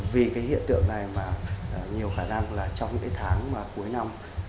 vì cái hiện tượng này mà nhiều khả năng là trong những cái tháng và cuối năm